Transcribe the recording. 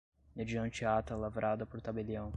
mediante ata lavrada por tabelião